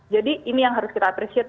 jadi ini yang harus kita apresiasi